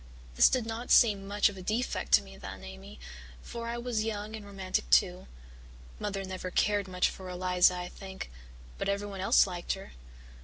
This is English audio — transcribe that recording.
This did not seem much of a defect to me then, Amy, for I was young and romantic too. Mother never cared much for Eliza, I think, but everyone else liked her.